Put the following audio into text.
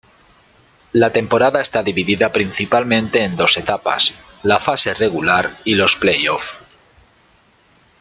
La temporada está dividida principalmente en dos etapas, la fase regular, y los play-offs.